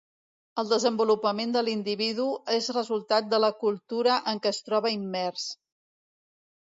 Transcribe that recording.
El desenvolupament de l'individu és resultat de la cultura en què es troba immers.